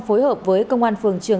phối hợp với công an tp vĩnh long